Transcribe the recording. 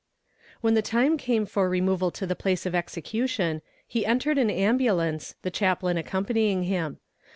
"When the time came for removal to the place of execution, he entered an ambulance, the chaplain accompanying him.